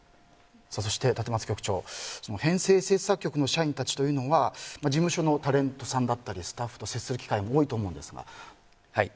そして立松局長編成制作局の社員たちというのは事務所のタレントさんだったりスタッフと接する機会も多いと思いうんですが。